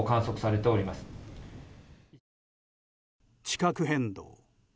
地殻変動。